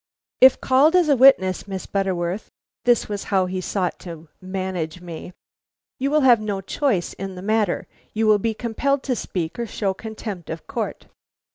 "If called as a witness, Miss Butterworth," this was how he sought to manage me, "you will have no choice in the matter. You will be compelled to speak or show contempt of court."